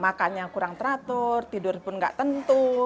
makannya kurang teratur tidur pun nggak tentu